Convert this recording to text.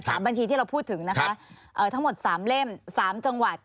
บัญชีที่เราพูดถึงนะคะเอ่อทั้งหมดสามเล่มสามจังหวัด